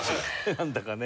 なんだかね。